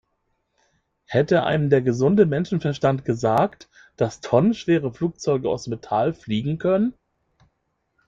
Hätte einem der gesunde Menschenverstand gesagt, dass tonnenschwere Flugzeuge aus Metall fliegen können?